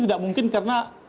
tidak mungkin karena